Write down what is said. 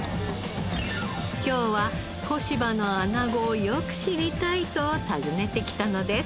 今日は小柴のアナゴをよく知りたいと訪ねてきたのです。